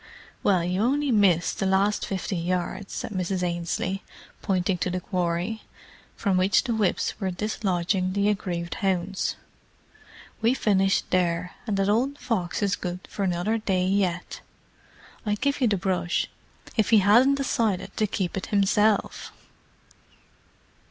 "Well, you only missed the last fifty yards," said Mrs. Ainslie, pointing to the quarry, from which the whips were dislodging the aggrieved hounds. "We finished there; and that old fox is good for another day yet. I'd give you the brush, if he hadn't decided to keep it himself."